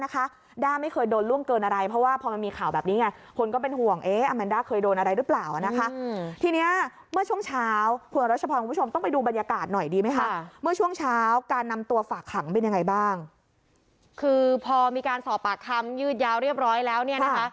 ฝากขังเป็นยังไงบ้างคือพอมีการสอบปากคำยืดยาวเรียบร้อยแล้วเนี่ยนะคะ